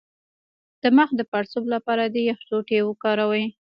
د مخ د پړسوب لپاره د یخ ټوټې وکاروئ